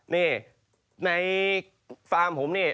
นี่ในฟาร์มผมนี่